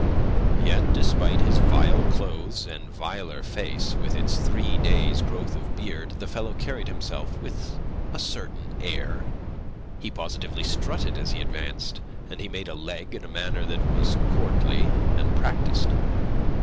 Yet despite his vile clothes and viler face, with its three days' growth of beard, the fellow carried himself with a certain air; he positively strutted as he advanced, and he made a leg in a manner that was courtly and practised.